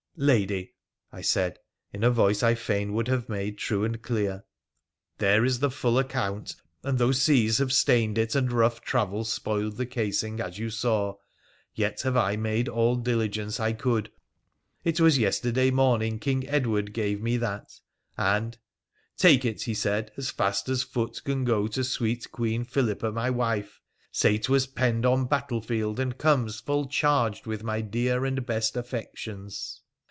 ' Lady,' I said in a voice I fain would have made true and clear, * there is the full account, and though seas have stained it, and rough travel spoiled the casing, as you saw, yet have I made all diligence I could. It was yesterday morning King Edward gave me that, and " Take it," he said, " as fast as foot can go to sweet Queen Philippa, my wife. Say 'twas penned on battlefield, and comes full charged with my dear and best affections."